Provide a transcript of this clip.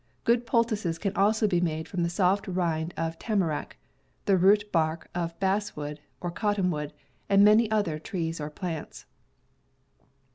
Good poultices can also be made from the soft rind of tamarack, the root bark of basswood or Cottonwood, and many other trees or plants.